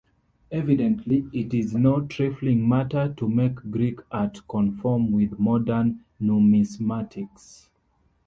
Evidently it is no trifling matter to make Greek art conform with modern numismatics.